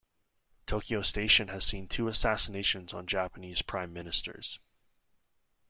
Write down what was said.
Tokyo station has seen two assassinations on Japanese prime ministers.